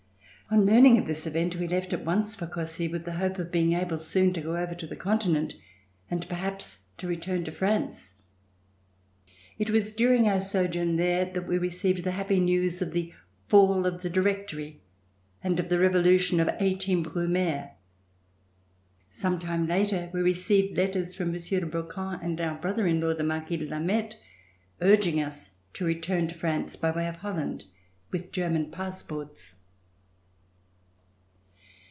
On learning of this event we left at once for Cossey with the hope of being able soon to go over to the Continent and perhaps to return to France. It was during our sojourn there that we received the happy news of the fall of the Directory and of the Revolu tion of the 1 8 Brumaire. Some time later we received letters from Monsieur de Brouquens and our brother in law, the Marquis de Lameth, urging us to return to France by way of Holland with German passports.